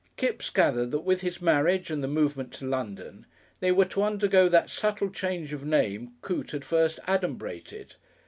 Kipps gathered that with his marriage and the movement to London they were to undergo that subtle change of name Coote had first adumbrated.